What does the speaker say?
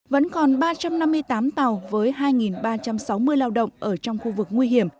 vẫn còn ba trăm năm mươi tám tàu với hai ba trăm sáu mươi lao động ở trong khu vực nguy hiểm